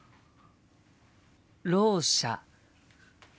ろう者。